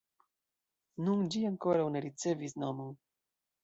Nun, ĝi ankoraŭ ne ricevis nomon.